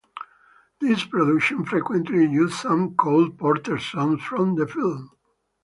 These productions frequently used some Cole Porter songs from the film.